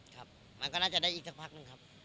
ครับมันก็น่าจะได้อีกสักพักหนึ่งครับ